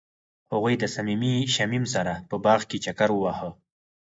هغوی د صمیمي شمیم سره په باغ کې چکر وواهه.